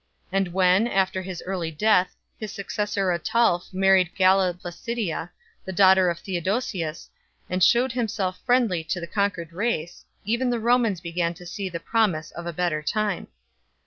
And when, after his early death, his successor Ataulf married Galla Placidia, the daughter of Theodosius, and shewed himself friendly to the con quered race, even the Romans began to see the promise of a better time.